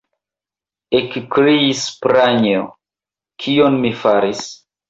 ekkriis Pranjo: kion mi faris?